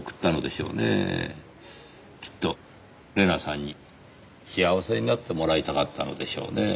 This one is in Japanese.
きっと玲奈さんに幸せになってもらいたかったのでしょうねぇ。